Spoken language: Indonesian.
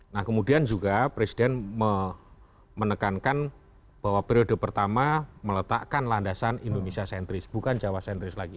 nah kemudian juga presiden menekankan bahwa periode pertama meletakkan landasan indonesia sentris bukan jawa sentris lagi